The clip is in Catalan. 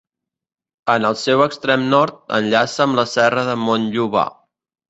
En el seu extrem nord enllaça amb la Serra de Montllobar.